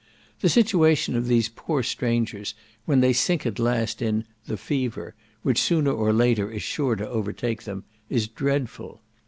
The situation of these poor strangers, when they sink at last in "the fever," which sooner or later is sure to overtake them, is dreadful.